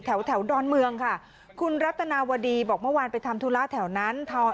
แถวแถวดอนเมืองค่ะคุณรัตนาวดีบอกเมื่อวานไปทำธุระแถวนั้น